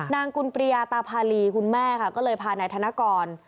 กุลปริยาตาพาลีคุณแม่ค่ะก็เลยพานายธนกร